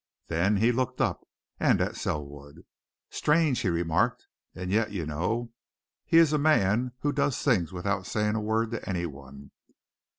Then he looked up, and at Selwood. "Strange!" he remarked. "And yet, you know, he is a man who does things without saying a word to any one.